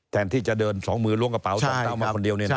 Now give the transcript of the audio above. แทนที่จะเดินสองมือล้วงกระเป๋าสองเท้ามาคนเดียวเนี่ยนะ